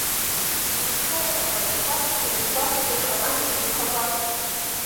Сара схала шаҟа гәасҭо, игәасҭо шаҟантә еиҭагәасҭо…